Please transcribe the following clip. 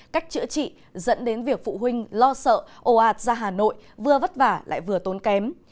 cách chữa trị dẫn đến việc phụ huynh lo sợ ổ ạt ra hà nội vừa vất vả lại vừa tốn kém